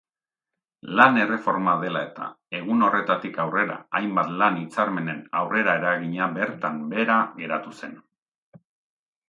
Lan-erreforma dela-eta, egun horretatik aurrera hainbat lan-hitzarmenen aurreraeragina bertan behera geratu zen.